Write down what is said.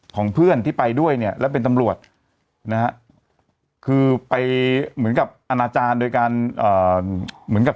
ของเพื่อนที่ไปด้วยเนี่ยแล้วเป็นตำรวจนะฮะคือไปเหมือนกับอนาจารย์โดยการเหมือนกับ